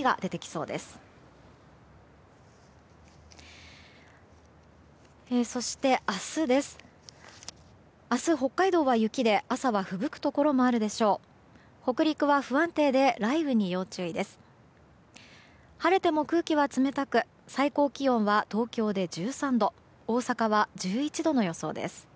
晴れても空気は冷たく最高気温は東京で１３度大阪は１１度の予想です。